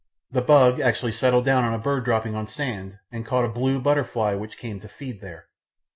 The bug actually settled down on a bird dropping on sand, and caught a blue butterfly which came to feed there!